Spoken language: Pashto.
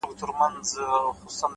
o په سپوږمۍ كي زمـــا ژوندون دى؛